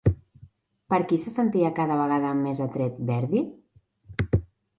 Per qui se sentia cada vegada més atret Verdi?